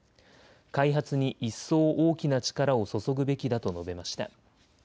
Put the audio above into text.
開発に一層大きな力を注ぐべきだと述べました。